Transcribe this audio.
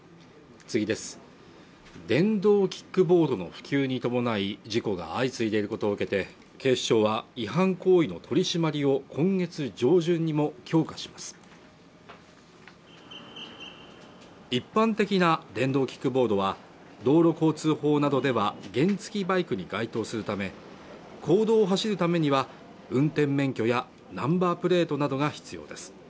電動キックボードの普及に伴い事故が相次いでいることを受けて警視庁は違反行為の取り締まりを今月上旬にも強化します一般的な電動キックボードは道路交通法などでは原付バイクに該当するため公道を走るためには運転免許やナンバープレートなどが必要です